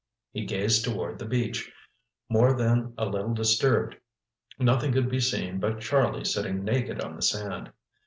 He gazed toward the beach, more than a little disturbed. Nothing could be seen but Charlie sitting naked on the sand.